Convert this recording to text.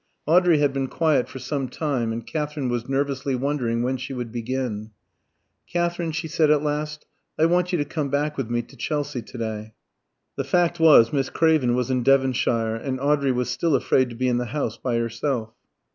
Audrey had been quiet for some time, and Katherine was nervously wondering when she would begin. "Katherine," she said at last, "I want you to come back with me to Chelsea to day." The fact was, Miss Craven was in Devonshire, and Audrey was still afraid to be in the house by herself.